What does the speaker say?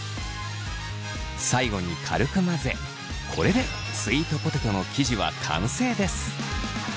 最後に軽く混ぜこれでスイートポテトの生地は完成です。